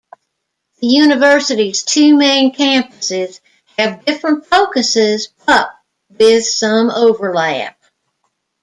The university's two main campuses have different focuses but with some overlap.